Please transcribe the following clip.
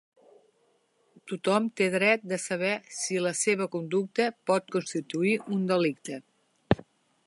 Tothom té dret de saber si la seva conducta pot constituir un delicte.